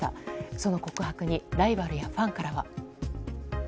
その告白にライバルやファンからは。